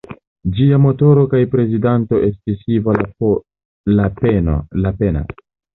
Ĝia motoro kaj prezidanto estis Ivo Lapenna.